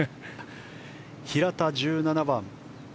平田、１７番。